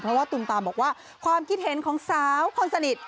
เพราะว่าตุมตามบอกว่าความคิดเห็นของสาวคนสนิท